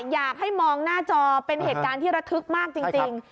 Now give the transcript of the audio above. อยากให้มองหน้าจอเป็นเหตุการณ์ที่ระทึกมากจริง